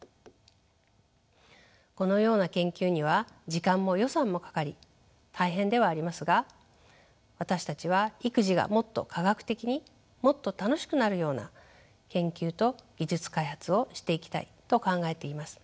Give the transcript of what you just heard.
このような研究には時間も予算もかかり大変ではありますが私たちは育児がもっと科学的にもっと楽しくなるような研究と技術開発をしていきたいと考えています。